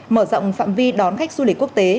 mở rộng phạm vi đón khách du lịch quốc tế